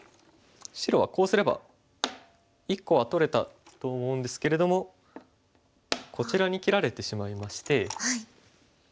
白はこうすれば１個は取れたと思うんですけれどもこちらに切られてしまいまして。